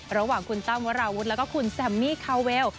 ระหว่างคุณตั้มวราวุฒิแล้วก็คุณแซมมี่คาเวล